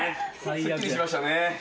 すっきりしましたね。